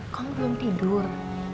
kamu belum tidur